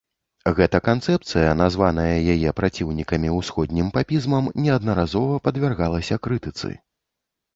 Гэта канцэпцыя, названая яе праціўнікамі ўсходнім папізмам, неаднаразова падвяргалася крытыцы.